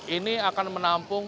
ini akan menampung